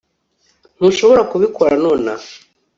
Ntushobora kubikora nonaha